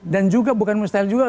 dan juga bukan mustahil juga